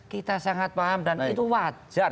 kita sangat paham dan itu wajar